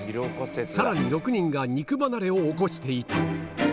さらに６人が肉離れを起こしていた。